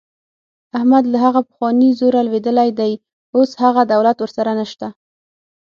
احمد له هغه پخواني زوره لوېدلی دی. اوس هغه دولت ورسره نشته.